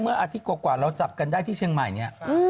อาทิตย์กว่าเราจับกันได้ที่เชียงใหม่เนี่ย